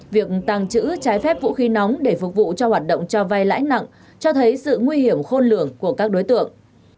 việc tăng trữ trái phép vũ khí nóng để phục vụ cho hoạt động cho vai lãnh nặng cho thấy sự nguy hiểm khôn lượng của các đối tượng